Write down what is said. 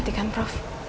jadi mematikan prof